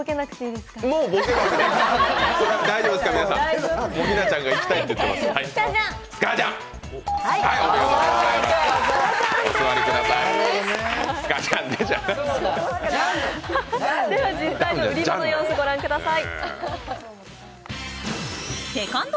では実際の売り場の様子御覧ください。